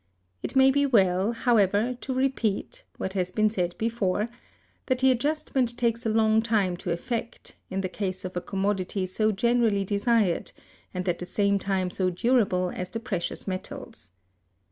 It may be well, however, to repeat (what has been said before) that the adjustment takes a long time to effect, in the case of a commodity so generally desired and at the same time so durable as the precious metals.